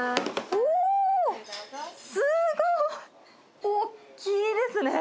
おー、すごい！大きいですね。